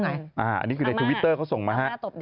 อันนี้คือในทวิตเตอร์เขาส่งมาฮะ